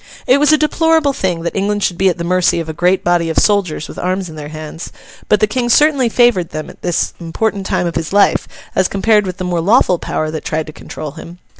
It was a deplorable thing that England should be at the mercy of a great body of soldiers with arms in their hands; but the King certainly favoured them at this important time of his life, as compared with the more lawful power that tried to control him.